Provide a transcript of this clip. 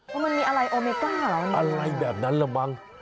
มันมีอะไรโอเมก้าเหรอนะอะไรแบบนั้นละมั้ง